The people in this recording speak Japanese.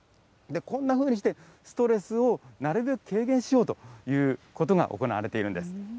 こんなふうにしてストレスをなるべく軽減しようということが行われているんです。